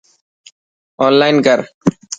اونلائن ڪر.